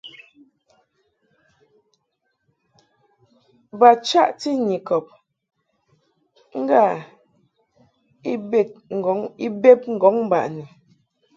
Ba chaʼti Nyikɔb ŋgâ i bed ŋgɔŋ baʼni.